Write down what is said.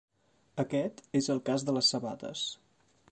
Aquest és el cas de les sabates.